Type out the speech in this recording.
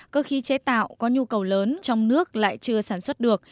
cơ khí chế tạo có nhu cầu lớn trong nước lại chưa sản xuất được